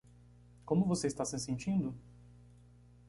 Como você está se sentindo?